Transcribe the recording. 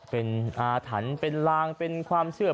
เป็นอาถรรพ์เป็นลางเป็นความเชื่อ